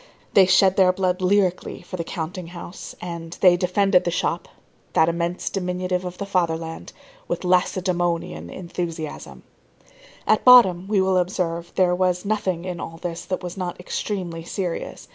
They shed their blood lyrically for the counting house; and they defended the shop, that immense diminutive of the fatherland, with Lacedæmonian enthusiasm. At bottom, we will observe, there was nothing in all this that was not extremely serious.